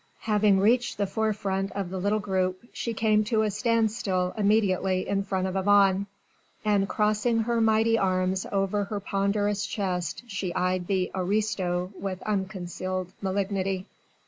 Having reached the forefront of the little group she came to a standstill immediately in front of Yvonne, and crossing her mighty arms over her ponderous chest she eyed the "aristo" with unconcealed malignity.